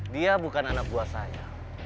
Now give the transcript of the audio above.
dia bukan anak buah saya